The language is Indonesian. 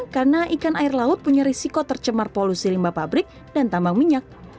karena ikan air laut punya risiko tercemar polusi limba pabrik dan tambang minyak